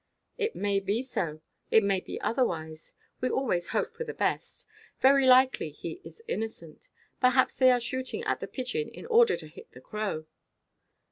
"It may be so. It may be otherwise. We always hope for the best. Very likely he is innocent. Perhaps they are shooting at the pigeon in order to hit the crow."